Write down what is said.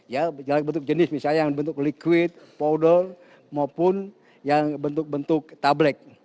ya bentuk jenis misalnya yang bentuk liquid powder maupun yang bentuk bentuk tableg